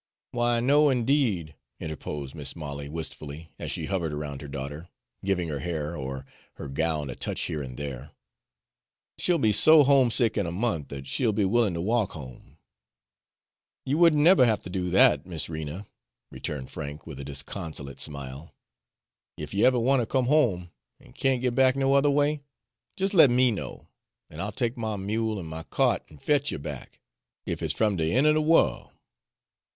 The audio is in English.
"Why, no 'ndeed," interposed Mis' Molly wistfully, as she hovered around her daughter, giving her hair or her gown a touch here and there; "she'll be so homesick in a month that she'll be willin' to walk home." "You would n' never hafter do dat, Miss Rena," returned Frank, with a disconsolate smile. "Ef you ever wanter come home, an' can't git back no other way, jes' let ME know, an' I'll take my mule an' my kyart an' fetch you back, ef it's from de een' er de worl'."